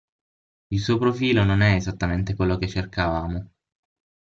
Il suo profilo non è esattamente quello che cercavamo.